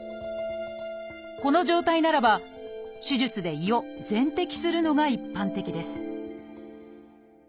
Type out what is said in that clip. この状態ならば手術で胃を全摘するのが一般的です